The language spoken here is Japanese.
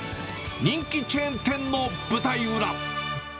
人気チェーン店の舞台裏。